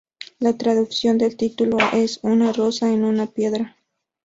La traducción del título es "una rosa en una piedra".